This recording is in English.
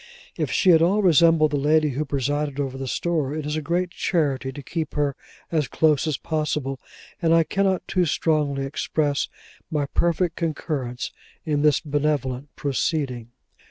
If she at all resemble the lady who presided over the store, it is a great charity to keep her as close as possible, and I cannot too strongly express my perfect concurrence in this benevolent proceeding.